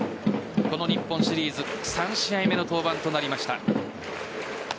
この日本シリーズ３試合目の登板となりました。